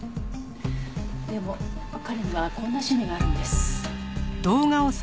でも彼にはこんな趣味があるんです。